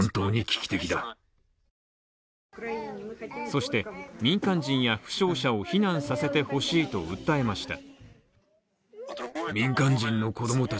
そして民間人や負傷者を避難させてほしいと訴えました。